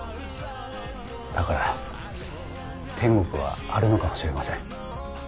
だから天国はあるのかもしれません。